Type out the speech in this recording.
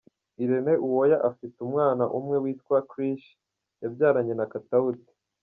Irene Uwoya afite umwana umwe witwa Krish yabyaranye na Katauti.